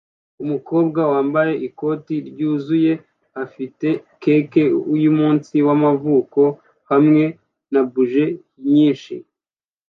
Umukobwa wambaye ikoti ryuzuye afite cake yumunsi wamavuko hamwe na buji nyinshi